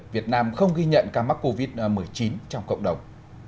việt nam không ghi nhận ca mắc covid một mươi chín trong cộng đồng